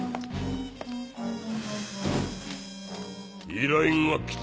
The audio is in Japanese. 依頼が来た。